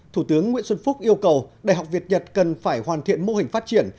thủ tướng nguyễn xuân phúc yêu cầu đại học việt nhật cần phải hoàn thiện mô hình phát triển